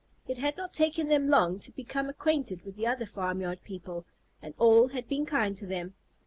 It had not taken them long to become acquainted with the other farmyard people, and all had been kind to them.